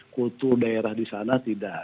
kultu daerah di sana tidak